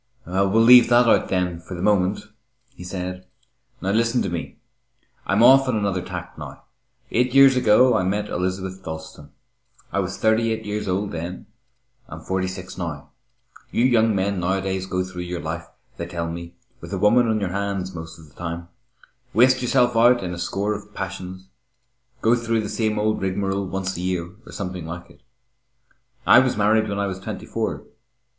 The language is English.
"We'll leave that out, then, for the moment," he said. "Now listen to me. I'm off on another tack now. Eight years ago I met Elizabeth Dalstan. I was thirty eight years old then I am forty six now. You young men nowadays go through your life, they tell me, with a woman on your hands most of the time, waste yourself out in a score of passions, go through the same old rigmarole once a year or something like it. I was married when I was twenty four.